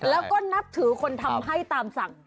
แล้วก็นับถือคนทำให้ตามสั่ง